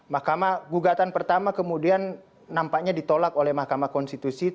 mahkamah gugatan pertama kemudian nampaknya ditolak oleh mahkamah konstitusi